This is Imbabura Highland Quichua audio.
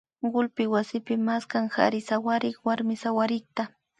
kullpi wasipi maskan kari sawarik warmi sawarikta